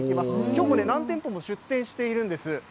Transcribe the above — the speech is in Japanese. きょうも何店舗か、出店しているんです。